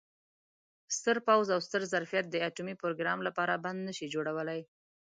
ستر پوځ او ستر ظرفیت د اټومي پروګرام لپاره بند نه شي جوړولای.